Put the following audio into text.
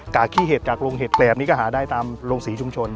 กะขี้เห็ดกะโรงเห็ดแต่อันนี้ก็หาได้ตามโรงศรีชุมชน